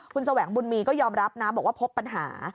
คุณแสวงบุญมีก็ยอมรับนะบอกว่าพบปัญหา